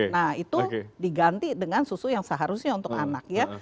nah itu diganti dengan susu yang seharusnya untuk anak ya